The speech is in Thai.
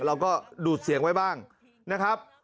ดูดเสียงไว้บ้างนะครับ